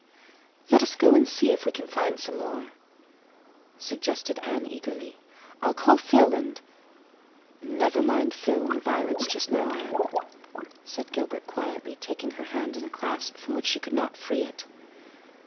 "Let us go and see if we can find some more," suggested Anne eagerly. "I'll call Phil and—" "Never mind Phil and the violets just now, Anne," said Gilbert quietly, taking her hand in a clasp from which she could not free it.